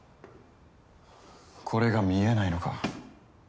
これが見えないのか？